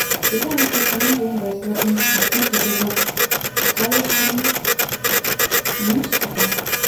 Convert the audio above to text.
Эргэн харахад сумын төвийн барилгууд модны чөлөөгөөр цайвартах нь нэн ч содон.